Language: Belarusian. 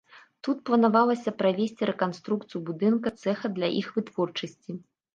Тут планавалася правесці рэканструкцыю будынка цэха для іх вытворчасці.